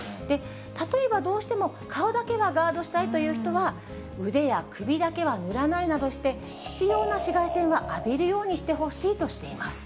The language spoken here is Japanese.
例えばどうしても顔だけはガードしたいという人は、腕や首だけは塗らないなどして、必要な紫外線は浴びるようにしてほしいとしています。